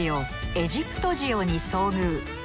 エジプト塩に遭遇。